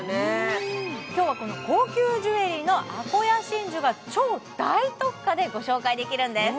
今日は高級ジュエリーのあこや真珠が超大特価でご紹介できるんです